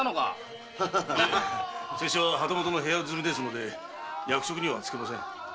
拙者は旗本の部屋住みですので役職には就けません。